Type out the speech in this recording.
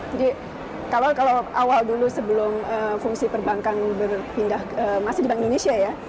jadi kalau awal dulu sebelum fungsi perbankan masih di bank indonesia